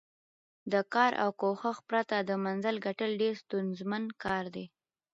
د کار او کوښښ پرته د منزل ګټل ډېر ستونزمن کار دی.